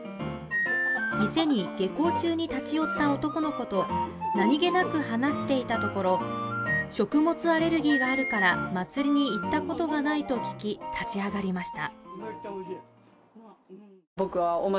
店に、下校中に立ち寄った男の子と何気なく話していたところ、食物エネルギーがあるから祭りに行ったことがないと聞き、立ち上がりました。